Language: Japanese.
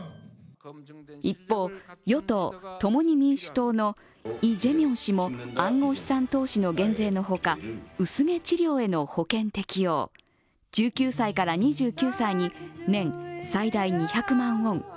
一方、与党・共に民主党のイ・ジェミョン氏も暗号資産投資の減税のほか、薄毛治療の保険適用、１９歳から２９歳に年最大２００万ウォン